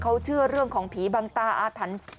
เขาเชื่อเรื่องของผีบังตาอาถรรพ์